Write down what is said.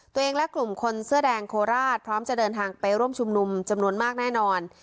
ตัวเองและกลุ่มคนเสื้อแดงโคราชพร้อมจะเดินทางไปร่วมชุมนุมจำนวนมากแน่นอน